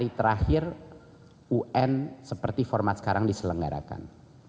hari terakhir un seperti format sekarang diselenggarakan